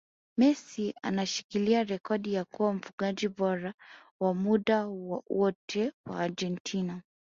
Messi anashikilia rekodi ya kuwa mfungaji bora wa muda wote wa Argentina